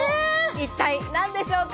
一体何でしょうか？